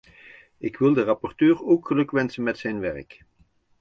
Ik wil de rapporteur ook gelukwensen met zijn werk.